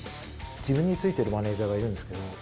自分についてるマネジャーがいるんですけど。